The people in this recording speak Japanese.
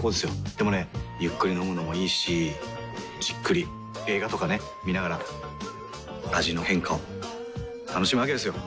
でもねゆっくり飲むのもいいしじっくり映画とかね観ながら味の変化を楽しむわけですよ。